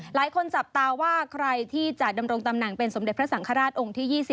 หลายคนจับตาว่าใครที่จะดำรงตำแหน่งเป็นสมเด็จพระสังฆราชองค์ที่๒๐